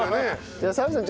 じゃあ澤部さん